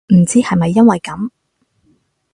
唔知係咪因為噉